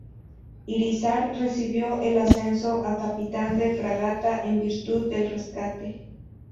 Irízar recibió el ascenso a capitán de fragata en virtud del rescate.